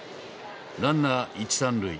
ランナー１３塁。